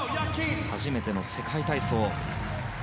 初めての世界体操。